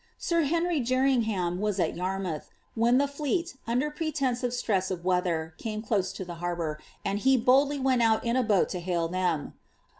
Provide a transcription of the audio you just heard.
Sir Henry Jerningham was at Yarmouth, when the fleet, under pretence of stress of weather, came close to the harbour, and he boldly went out in a boat to hail them.